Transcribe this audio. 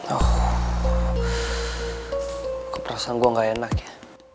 oh aku perasan gue nggak enak ya